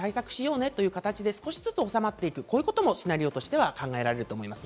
そういう時だけ対策しようねということで少しずつ収まっていくということもシナリオとして考えられると思います。